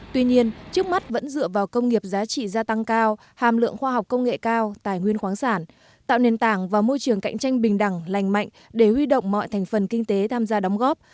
tuy nhiên trước mắt vẫn dựa vào công nghiệp giá trị gia tăng cao hàm lượng khoa học công nghệ cao tài nguyên khoáng sản tạo nền tảng và môi trường cạnh tranh bình đẳng lành mạnh để huy động mọi thành phần kinh tế tham gia đóng góp